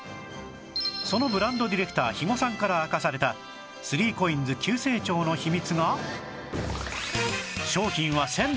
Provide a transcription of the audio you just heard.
そのブランドディレクター肥後さんから明かされた ３ＣＯＩＮＳ 急成長の秘密が